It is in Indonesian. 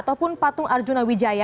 dan patung arjuna wijaya